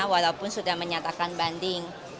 walaupun sudah menyatakan banding